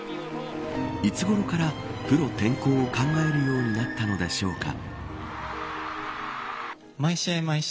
いつごろからプロ転向を考えるようになったのでしょうか。